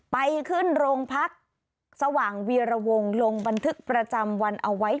ไปขึ้นโรงพักสว่างเวียระวงลงบันทึกประจำวันเอาไว้